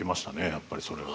やっぱりそれは。